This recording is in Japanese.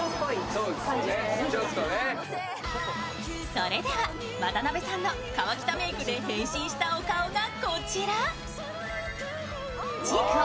それでは、渡部さんの河北メイクで変身したお顔がこちら。